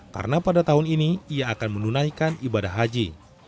karena pada tahun ini ia akan menunaikan ibadah haji